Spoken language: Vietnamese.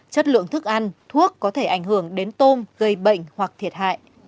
chất lượng thức ăn thuốc có thể ảnh hưởng đến tôm gây bệnh hoặc thiệt hại